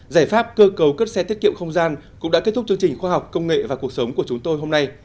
giải pháp cơ cầu cấp xe tiết kiệm không gian cũng đã kết thúc chương trình khoa học công nghệ và cuộc sống của chúng tôi hôm nay